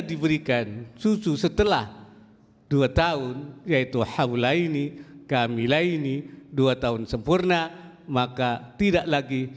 diberikan susu setelah dua tahun yaitu haul laini kami laini dua tahun sempurna maka tidak lagi